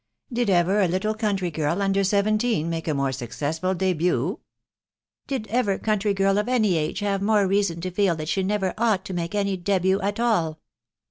Did ever a little country girl under seventeen make t more successful dibut ?"" Did ever country girl of any age have more reason to feel that she never ought to make any dibut at all